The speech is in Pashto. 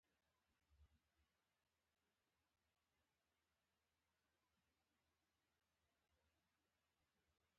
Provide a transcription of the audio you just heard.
• ونه د ګازونو د جذب وړتیا لري.